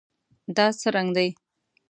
دا څه رنګ دی؟